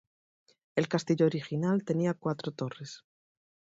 El castillo original tenía cuatro torres.